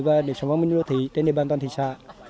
và điểm sống văn minh đô thị trên địa bàn toàn thị xã